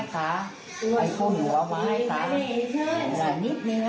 คือมึงจะไม่เปลือทางให้เนี่ยนะ